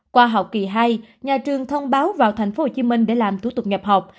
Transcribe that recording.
qua học kỳ hai nhà trường thông báo vào thành phố hồ chí minh để làm thủ tục nhập học